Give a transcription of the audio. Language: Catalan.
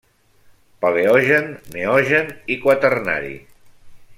Paleogen, Neogen i Quaternari.